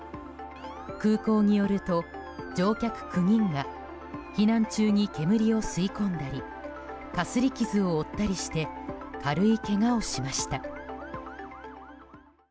空港によると乗客９人が避難中に煙を吸い込んだりかすり傷を負ったりして軽いけがをしました。